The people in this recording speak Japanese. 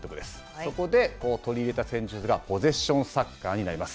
そこで取り入れた戦術がポゼッションサッカーになります。